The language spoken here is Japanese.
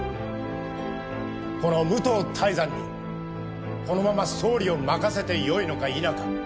この武藤泰山にこのまま総理を任せてよいのか否か。